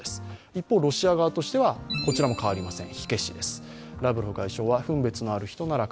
一方ロシア側としてはこちらも変わりません。